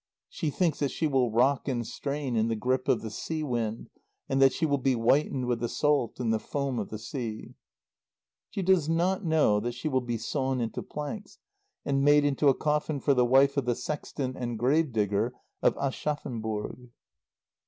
She thinks that she will rock and strain in the grip of the sea wind, and that she will be whitened with the salt and the foam of the sea. She does not know that she will be sawn into planks and made into a coffin for the wife of the sexton and grave digger of Aschaffenburg.